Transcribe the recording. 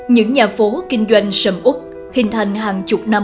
những nhà phố kinh doanh sầm út hình thành hàng chục năm